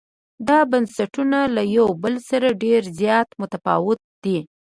دا بنسټونه له یو بل سره ډېر زیات متفاوت دي.